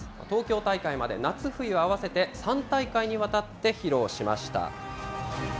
東京大会まで夏冬合わせて３大会にわたって披露しました。